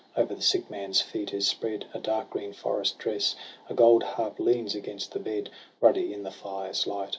Over the sick man's feet is spread A dark green forest dress. A gold harp leans against the bed, Ruddy in the fire's light.